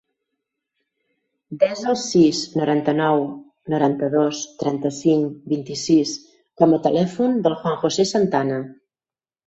Desa el sis, noranta-nou, noranta-dos, trenta-cinc, vint-i-sis com a telèfon del Juan josé Santana.